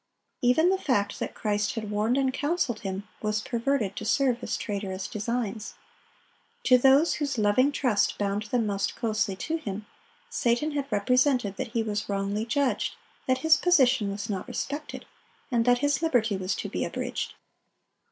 Even the fact that Christ had warned and counseled him, was perverted to serve his traitorous designs. To those whose loving trust bound them most closely to him, Satan had represented that he was wrongly judged, that his position was not respected, and that his liberty was to be abridged.